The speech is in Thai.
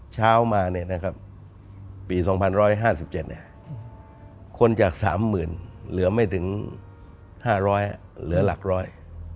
เช้ามาเนี่ยนะครับปี๒๕๕๗คนจาก๓๐๐๐เหลือไม่ถึง๕๐๐เหลือหลักร้อย